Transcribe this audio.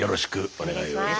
お願いします。